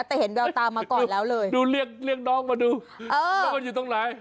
แต่เห็นแววตามาก่อนแล้วเลยดูเรียกเรียกน้องมาดูแล้วมันอยู่ตรงไหน